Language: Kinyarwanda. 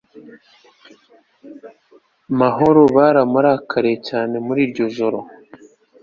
amahoro. baramurakariye cyane. muri iryo joro